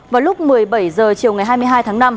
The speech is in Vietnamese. vào lúc một mươi bảy h chiều ngày hai mươi hai tháng năm